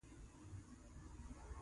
کچالو له بادامو سره هم پخېږي